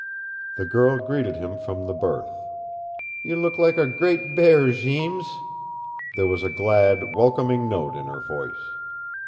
The girl greeted him from the berth. "You look like a great bear, Jeems." There was a glad, welcoming note in her voice.